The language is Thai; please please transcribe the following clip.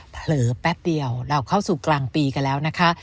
เผลอแป๊บเดียวเราเข้าสู่กลางปีกันแล้วนะคะ